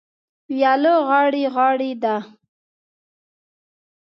وياله غاړې غاړې ده.